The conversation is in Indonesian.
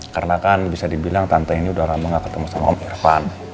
karena kan bisa dibilang tante ini udah lama gak ketemu sama om irfan